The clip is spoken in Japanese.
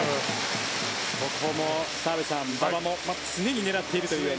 ここも澤部さん、馬場も常に狙っているというような。